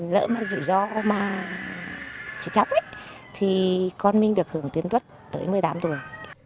lỡ mà rủi ro mà chết chóc ấy thì con mình được hưởng tiến tuất tới một mươi tám tuổi